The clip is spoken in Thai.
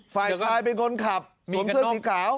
ฝ่ายชายเป็นคนขับสวมเสื้อสีขาว